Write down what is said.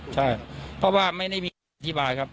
ใช่เพราะว่าไม่ได้มีอธิบายครับ